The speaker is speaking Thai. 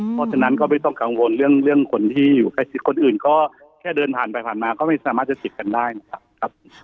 เพราะฉะนั้นก็ไม่ต้องกังวลเรื่องคนที่อยู่ใกล้ชิดคนอื่นก็แค่เดินผ่านไปผ่านมาก็ไม่สามารถจะติดกันได้นะครับ